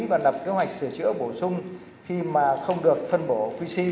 và đập kế hoạch sửa chữa bổ sung khi mà không được phân bổ quy si